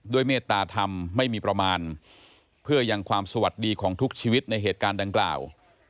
เมตตาธรรมไม่มีประมาณเพื่อยังความสวัสดีของทุกชีวิตในเหตุการณ์ดังกล่าว